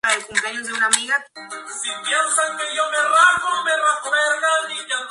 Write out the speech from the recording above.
Es famosa por su carrera como actriz en la escena de Bollywood.